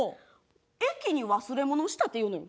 駅に忘れ物をしたっていうのよ。